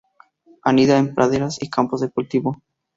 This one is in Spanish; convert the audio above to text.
Anida en praderas y campos de cultivo.